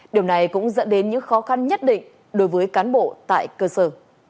điều này cũng dẫn đến những khó khăn nhất định đối với cán bộ tại cơ sở